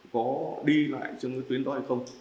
có đi lại trên tuyến đó hay không